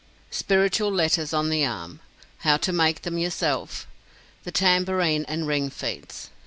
SPIRITUAL "LETTERS ON THE ARM." HOW TO MAKE THEM YOURSELF. THE TAMBOURINE AND RING FEATS.